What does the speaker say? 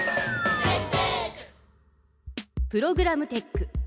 プログラムテック。